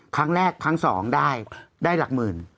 ครั้งแรกครั้งสองได้หลักหมื่น